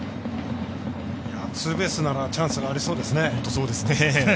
ツーベースならチャンスがありそうですね。